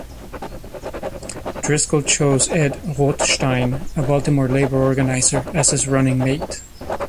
Driscoll chose Ed Rothstein, a Baltimore labor organizer as his running mate.